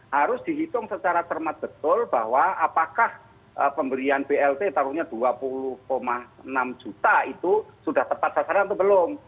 harus dihitung secara cermat betul bahwa apakah pemberian blt taruhnya dua puluh enam juta itu sudah tepat sasaran atau belum